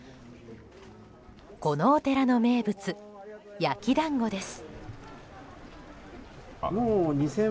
このお寺の名物、焼き団子です。